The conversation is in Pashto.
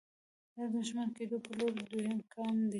دا د شتمن کېدو پر لور دويم ګام دی.